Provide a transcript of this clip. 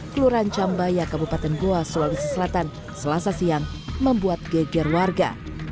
kelurahan cambaya kabupaten goa sulawesi selatan selasa siang membuat geger warga